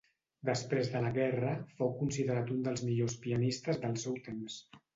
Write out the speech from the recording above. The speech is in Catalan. Després de la guerra fou considerat un dels millors pianistes del seu temps.